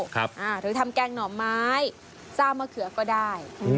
หรือทำแกงหน่อไม้ซ่ามะเขือก็ได้